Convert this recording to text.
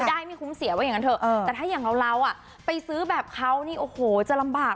ได้ไม่คุ้มเสียว่าอย่างนั้นเถอะแต่ถ้าอย่างเราอ่ะไปซื้อแบบเขานี่โอ้โหจะลำบาก